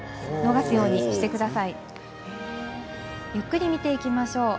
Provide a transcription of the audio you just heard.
ゆっくり見ていきましょう。